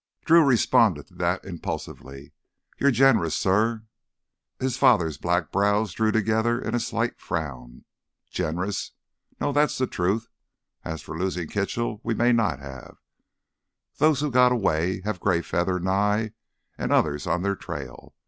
Drew responded to that impulsively. "You're generous, suh." His father's black brows drew together in a slight frown. "Generous? No, that's the truth. As for losing Kitchell—we may not have. Those who got away have Greyfeather, Nye, and others on their trail.